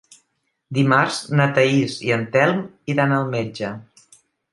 Dimarts na Thaís i en Telm iran al metge.